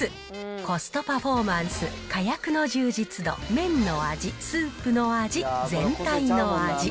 コストパフォーマンス、かやくの充実度、麺の味、スープの味、全体の味。